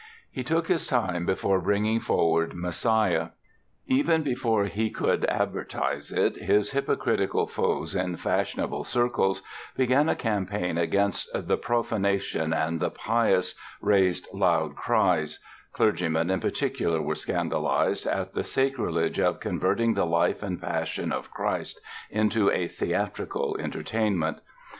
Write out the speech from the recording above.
He took his time before bringing forward "Messiah". Even before he could advertise it his hypocritical foes in fashionable circles began a campaign against the "profanation" and the "pious" raised loud cries; clergymen in particular were scandalized "at the sacrilege of converting the Life and Passion of Christ into a theatrical entertainment."